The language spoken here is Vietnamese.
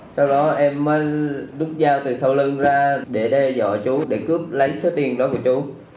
sau đó em mới đút dao từ sau lưng ra để đe dọa chú để cướp lấy số tiền đó của trốn